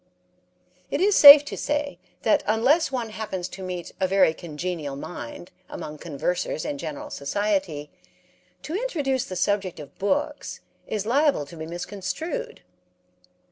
It is safe to say that unless one happens to meet a very congenial mind among conversers in general society, to introduce the subject of books is liable to be misconstrued.